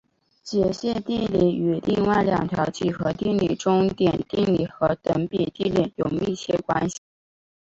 截线定理与另外两条几何定理中点定理和等比定理有密切关系。